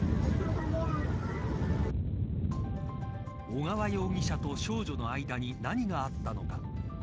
小川容疑者と少女の間に何があったのか。